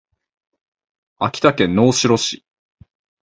秋田県能代市